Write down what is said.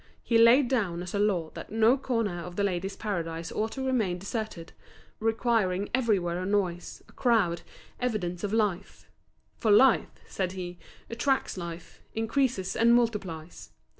He laid down as a law that not a corner of The Ladies' Paradise ought to remain deserted, requiring everywhere a noise, a crowd, evidence of life; for life, said he, attracts life, increases and multiplies.